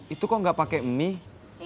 itu kok gak pake mie